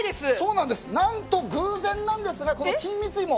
何と偶然なんですがこの金蜜芋